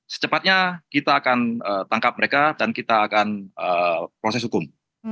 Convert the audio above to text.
secepatnya kita akan tangkap mereka dan kita akan proses hukum